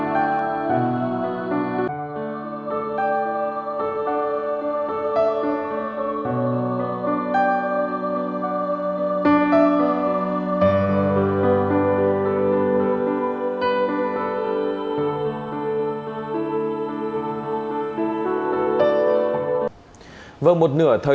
thì theo như dự báo